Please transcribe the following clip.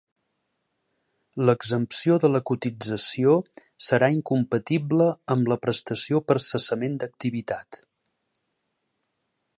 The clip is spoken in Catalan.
L'exempció de la cotització serà incompatible amb la prestació per cessament d'activitat.